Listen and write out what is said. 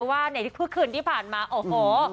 ว่าในเมื่อคืนที่ผ่านมาโอ้โห